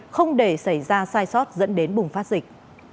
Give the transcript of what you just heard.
không để xảy ra sai sót dẫn đến bùng phát dịch